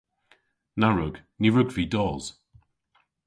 Na wrug. Ny wrug vy dos.